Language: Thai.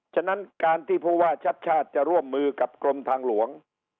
ฉะนั้นการที่ผู้ว่าชัดชาติจะร่วมมือกับกรมทางหลวง